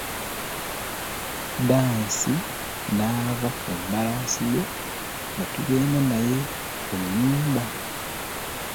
Dance n'ava ku mbalaasi ye ne tugenda naye ku nnyumba.